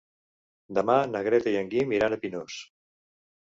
Demà na Greta i en Guim iran a Pinós.